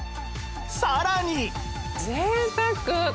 さらに